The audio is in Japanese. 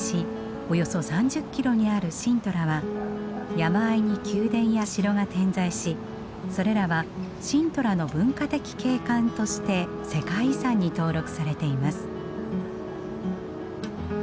およそ３０キロにあるシントラは山あいに宮殿や城が点在しそれらはシントラの文化的景観として世界遺産に登録されています。